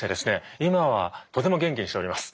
今はとても元気にしております。